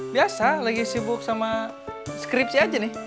biasa lagi sibuk sama skripsi aja nih